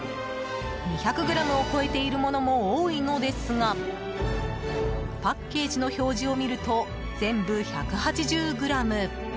２００ｇを超えているものも多いのですがパッケージの表示を見ると全部、１８０ｇ。